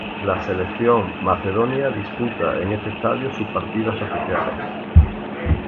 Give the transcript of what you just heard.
La selección macedonia disputa en este estadio sus partidos oficiales.